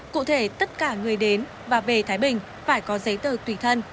cụ thể tất cả người đến và về thái bình phải có giấy tờ tùy thân